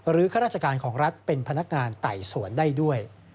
ข้าราชการของรัฐเป็นพนักงานไต่สวนได้ด้วย